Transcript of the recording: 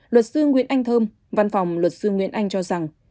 luật sư nguyễn anh thơm văn phòng luật sư nguyễn anh cho rằng